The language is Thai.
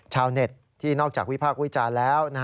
ชาวเน็ตที่นอกจากวิพากษ์วิจารณ์แล้ว